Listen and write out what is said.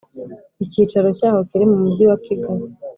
Icyicaro cyaho kiri mu Mujyi wa Kigali